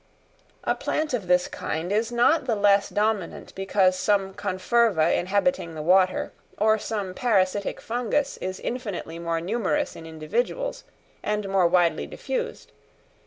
A plant of this kind is not the less dominant because some conferva inhabiting the water or some parasitic fungus is infinitely more numerous in individuals, and more widely diffused.